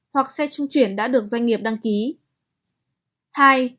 hoặc xe trung chuyển đã được doanh nghiệp đăng ký